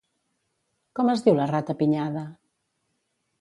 Com es diu la ratapinyada?